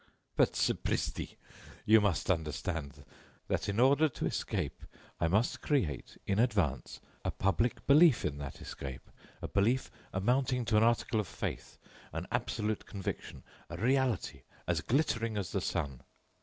But, sapristi, you must understand that in order to escape I must create, in advance, a public belief in that escape, a belief amounting to an article of faith, an absolute conviction, a reality as glittering as the sun.